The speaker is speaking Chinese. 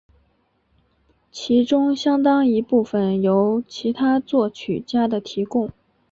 其中相当一部分由其他作曲家的提供。